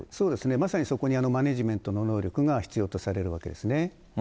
まさにそこにマネジメントの能力が必要とされるわけですね。